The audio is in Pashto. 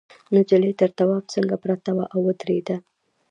نجلۍ تر تواب څنگ پرته وه او ودرېده.